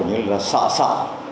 như là sợ sợ